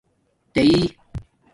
تیئئ